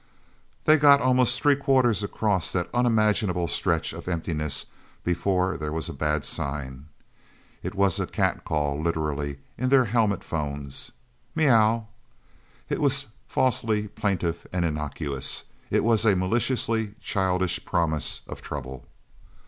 They got almost three quarters across that unimaginable stretch of emptiness before there was a bad sign. It was a catcall literally in their helmet phones. "Meow!" It was falsely plaintive and innocuous. It was a maliciously childish promise of trouble.